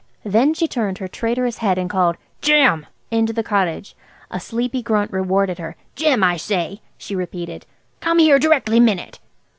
Then she turned her traitorous head and called "Jim!" into the cottage. A sleepy grunt rewarded her. "Jim, I say!" she repeated. "Come here directly minute!"